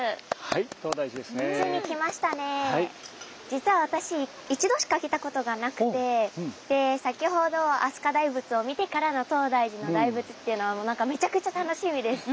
実は私一度しか来たことがなくて先ほど飛鳥大仏を見てからの東大寺の大仏っていうのは何かめちゃくちゃ楽しみです。